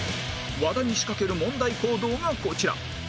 和田に仕掛ける問題行動がこちら